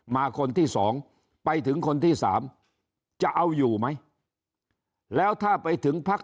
มาคนที่๒ไปถึงคนที่๓จะเอาอยู่ไหมแล้วถ้าไปถึงพัก